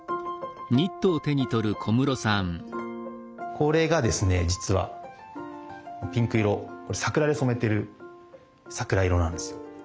これがですね実はピンク色これ桜で染めてる桜色なんですよ。